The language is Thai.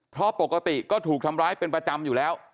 เพราะปกติก็ถูกทำร้ายเป็นประจำอยู่แล้ว